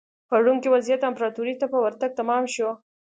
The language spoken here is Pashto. په روم کې وضعیت امپراتورۍ ته په ورتګ تمام شو.